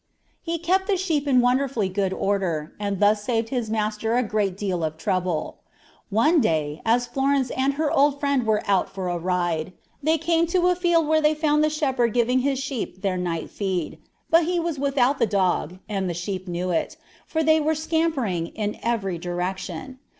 He kept the sheep in wonderfully good order, and thus saved his master a great deal of trouble. One day, as Florence and her old friend were out for a ride, they came to a field where they found the shepherd giving his sheep their night feed; but he was without the dog, and the sheep knew it, for they were scampering in every direction.